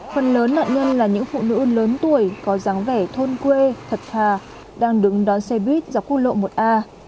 phần lớn nạn nhân là những phụ nữ lớn tuổi có dáng vẻ thôn quê thật thà đang đứng đón xe buýt dọc quốc lộ một a